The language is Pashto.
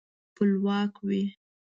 خپلواک وي.